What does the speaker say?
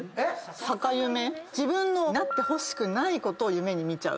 自分のなってほしくないことを夢に見ちゃう。